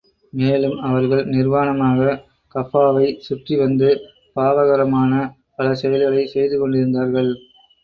மேலும், அவர்கள் நிர்வாணமாக கஃபாவைச் சுற்றி வந்து, பாவகரமான பல செயல்களைச் செய்து கொண்டிருந்தார்கள்.